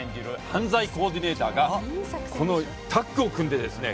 犯罪コーディネーターがこのタッグを組んでですね